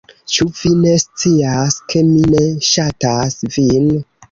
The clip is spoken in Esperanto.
Ĉu vi ne scias, ke mi ne ŝatas vin?